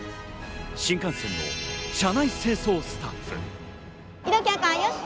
新幹線の車内清掃スタッフ。